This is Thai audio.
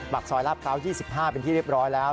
บักซอยราบเกาะ๒๕เป็นที่เรียบร้อยแล้ว